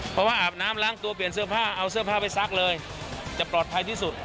เพราะว่าอาบน้ำล้างตัวเปลี่ยนเสื้อผ้าเอาเสื้อผ้าไปซักเลยจะปลอดภัยที่สุด